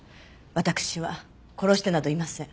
私は殺してなどいません。